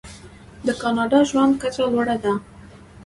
د کاناډا ژوند کچه لوړه ده.